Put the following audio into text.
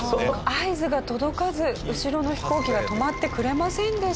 合図が届かず後ろの飛行機が止まってくれませんでした。